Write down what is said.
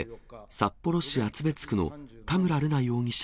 札幌市厚別区の田村瑠奈容疑者